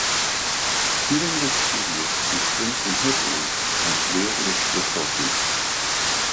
During this period he was drinking heavily and rarely recorded.